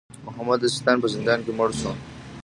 محمد د سیستان په زندان کې مړ شو.